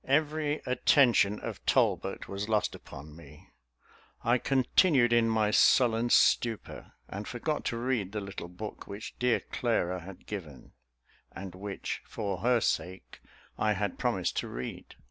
Every attention of Talbot was lost upon me. I continued in my sullen stupor, and forgot to read the little book which dear Clara had given, and which, for her sake, I had promised to read.